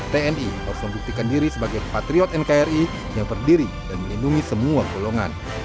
tni harus membuktikan diri sebagai patriot nkri yang berdiri dan melindungi semua golongan